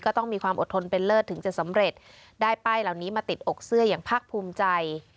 ก็ต้องมีความอดทนเป็นเลิศถึงจะสำเร็จได้ป้ายเหล่านี้มาติดอกเสื้ออย่างภาคภูมิใจ